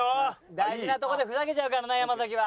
大事なとこでふざけちゃうからな山崎は。